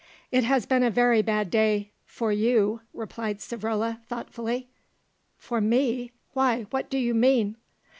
"It has been a very bad day, for you," replied Savrola thoughtfully. "For me? Why, what do you mean?"